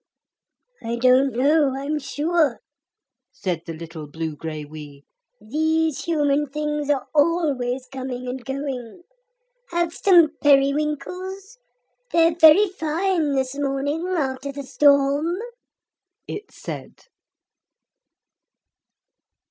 'I don't know, I'm sure,' said the little blugraiwee; 'these human things are always coming and going. Have some periwinkles? They're very fine this morning after the storm,' it said.